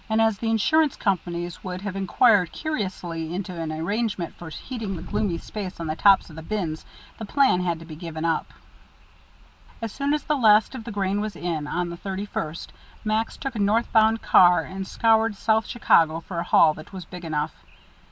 And as the insurance companies would have inquired curiously into any arrangement for heating that gloomy space on the tops of the bins, the plan had to be given up. As soon as the last of the grain was in, on the thirty first, Max took a north bound car and scoured South Chicago for a hall that was big enough.